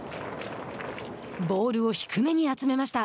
ボールを低めに集めました。